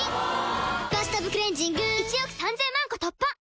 「バスタブクレンジング」１億３０００万個突破！